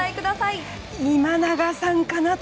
今永さんかなと。